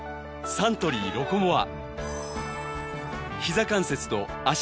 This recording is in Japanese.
サントリー「ロコモア」